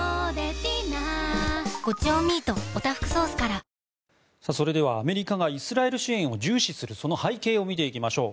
便質改善でラクに出すそれではアメリカがイスラエル支援を重視する背景を見ていきましょう。